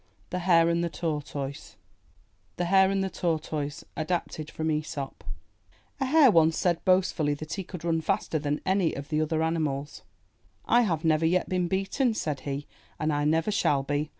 298 IN THE NURSERY THE HARE AND THE TORTOISE Adapted from Aesop A Hare once said boastfully that he could run faster than any of the other animals. *T have never yet been beaten/' said he, ''and I never shall be.